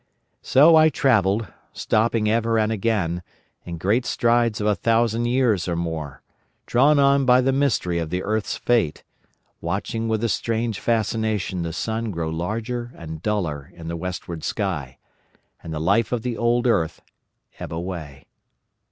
"So I travelled, stopping ever and again, in great strides of a thousand years or more, drawn on by the mystery of the earth's fate, watching with a strange fascination the sun grow larger and duller in the westward sky, and the life of the old earth ebb away.